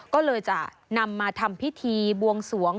ก็เลยจะนำมาทำพิธีบวงสวง